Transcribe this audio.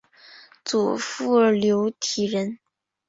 祖父刘体仁。